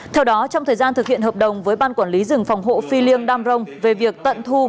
theo đó trong thời gian thực hiện hợp đồng với ban quản lý rừng phòng hộ phi liêng đam rông về việc tận thu